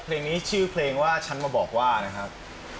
เพลงนี้ชื่อเพลงว่าฉันมาบอกว่านะครับ